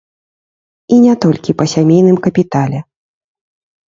І не толькі па сямейным капітале.